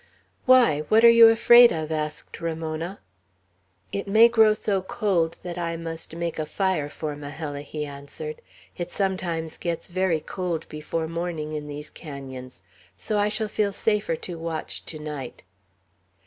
"Why, what are you afraid of?" asked Ramona. "It may grow so cold that I must make a fire for Majella," he answered. "It sometimes gets very cold before morning in these canons; so I shall feel safer to watch to night."